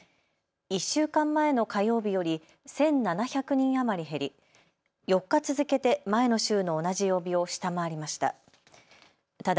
１週間前の火曜日より１７００人余り減り４日続けて前の週の同じ曜日を下回りました。